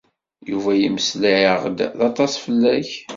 Yuba yemmeslay-aɣ-d aṭas fell-ak.